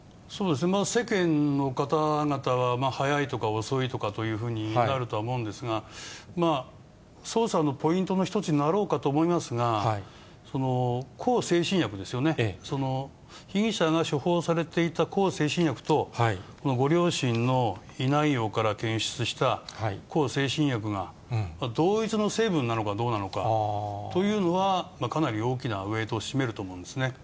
世間の方々は早いとか遅いとかというふうになるとは思うんですが、捜査のポイントの一つになろうかと思いますが、向精神薬ですよね、その被疑者が処方されていた向精神薬と、ご両親の胃内容から検出した向精神薬が同一の成分なのかどうかというのは、かなり大きなウエイトを占めると思うんですね。